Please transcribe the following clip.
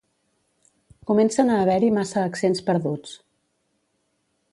Comencen a haver-hi massa accents perduts.